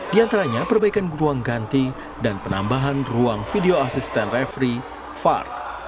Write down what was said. di antaranya perbaikan ruang ganti dan penambahan ruang video asisten referee var